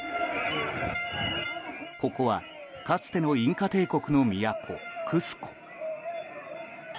ここはかつてのインカ帝国の都クスコ。